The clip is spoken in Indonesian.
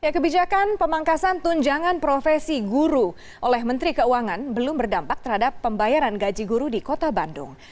kebijakan pemangkasan tunjangan profesi guru oleh menteri keuangan belum berdampak terhadap pembayaran gaji guru di kota bandung